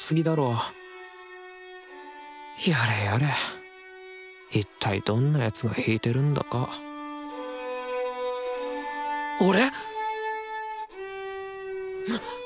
やれやれいったいどんな奴が弾いてるんだか俺！？